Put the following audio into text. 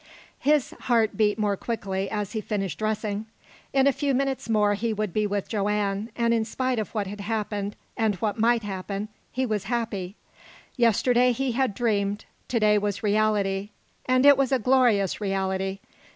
His heart beat more quickly as he finished dressing. In a few minutes more he would be with Joanne, and in spite of what had happened, and what might happen, he was happy. Yesterday he had dreamed. To day was reality and it was a glorious reality.